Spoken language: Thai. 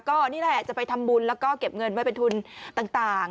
ก็นี่แหละจะไปทำบุญแล้วก็เก็บเงินไว้เป็นทุนต่าง